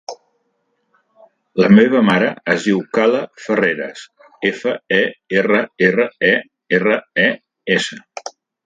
La meva mare es diu Kala Ferreres: efa, e, erra, erra, e, erra, e, essa.